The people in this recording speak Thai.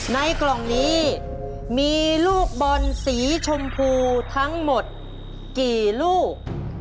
ในกล่องนี้มีลูกบอลสีชมพูทั้งหมดกี่ลูก